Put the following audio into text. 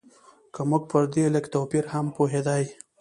که موږ پر دې لږ توپیر هم پوهېدای.